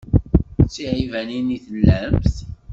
D tiɛibanin i tellamt?